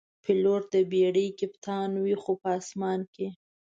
پیلوټ د بېړۍ کپتان وي، خو په آسمان کې.